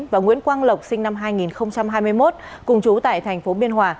và nguyễn quang lộc sinh năm hai nghìn hai mươi một cùng chú tại tp biên hòa